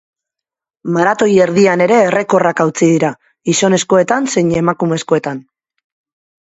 Maratoi erdian ere errekorrak hautsi dira, gizonezkoetan zein emakumezkoetan.